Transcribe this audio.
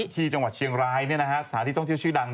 ที่จังหวัดเชียงรายสถานที่ท่องเที่ยวชื่อดัง